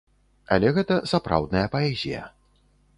Але гэта сапраўдная паэзія.